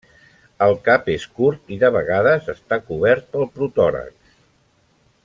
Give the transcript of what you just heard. El cap és curt i de vegades està cobert pel protòrax.